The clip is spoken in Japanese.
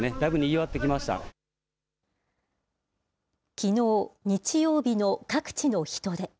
きのう日曜日の各地の人出。